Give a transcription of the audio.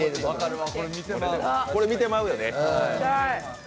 これ見てまうよね。